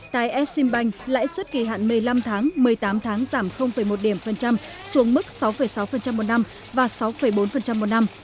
tại exim bank lãi suất kỳ hạn một mươi năm tháng một mươi tám tháng giảm một điểm phần trăm xuống mức sáu sáu một năm và sáu bốn một năm